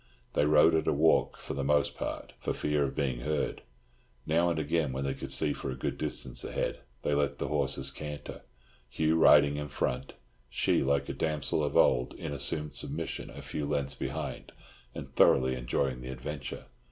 They rode at a walk for the most part, for fear of being heard. Now and again, when they could see for a good distance ahead, they let the horses canter; Hugh riding in front, she, like a damosel of old, in assumed submission a few lengths behind, and thoroughly enjoying the adventure.